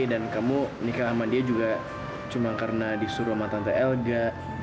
dan kamu nikah sama dia juga cuma karena disuruh sama tante elga